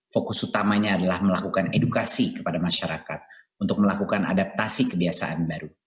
fokus utamanya adalah melakukan edukasi kepada masyarakat untuk melakukan adaptasi kebiasaan baru